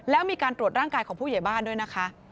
แล้วมีการตรวจร่างกายของผู้ใหญ่บ้านด้วยนะคะ